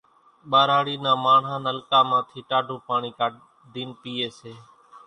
ٻاراڙِي نان ماڻۿان نلڪان مان ٿِي ٽاڍون پاڻِي ڪاڍينَ پيئيَ سي۔